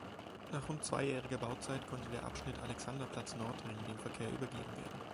Nach rund zweijähriger Bauzeit konnte der Abschnitt Alexanderplatz–Nordring dem Verkehr übergeben werden.